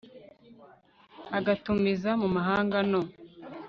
a gutumiza mu mahanga no